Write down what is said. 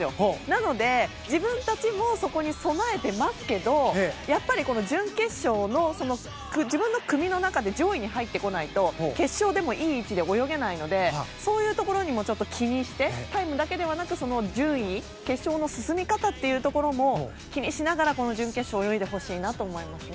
なので、自分たちもそこに備えてますけどやっぱり、準決勝の自分の組の中で上位に入ってこないと決勝でもいい位置で泳げないのでそういうところも気にしてタイムだけではなく順位決勝の進み方というところも気にしながらこの準決勝を泳いでほしいなと思います。